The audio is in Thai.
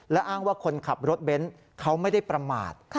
และอ้างว่าคนขับรถเบนท์เขาไม่ได้ประมาท